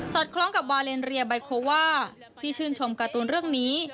คล้องกับวาเลนเรียไบโคว่าที่ชื่นชมการ์ตูนเรื่องนี้